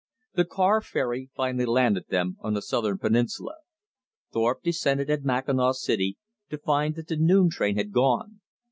The car ferry finally landed them on the southern peninsula. Thorpe descended at Mackinaw City to find that the noon train had gone.